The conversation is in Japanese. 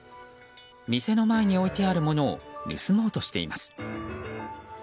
店の前に置いてあるものを盗もうとしています。